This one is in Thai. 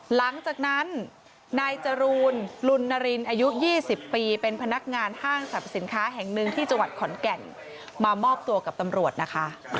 หลังจากนั้นนายจรูนลุนนารินอายุ๒๐ปีเป็นพนักงานห้างสรรพสินค้าแห่งหนึ่งที่จังหวัดขอนแก่นมามอบตัวกับตำรวจนะคะ